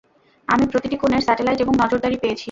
আমি প্রতিটি কোণের স্যাটেলাইট এবং নজরদারি পেয়েছি।